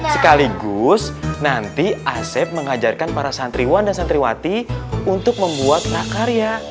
sekaligus nanti asep mengajarkan para santriwan dan santriwati untuk membuat prakarya